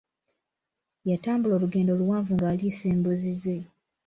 Yatambula olugendo luwanvu ng'aliisa embuzi ze.